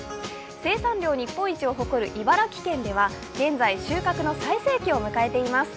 生産量日本一を誇る茨城県では、現在収穫の最盛期を迎えています。